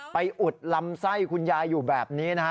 อุดลำไส้คุณยายอยู่แบบนี้นะฮะ